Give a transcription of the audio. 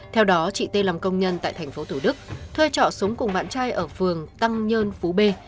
theo đó chị tê làm công nhân tại tp hcm thuê trọ sống cùng bạn trai ở phường tăng nhơn phú bê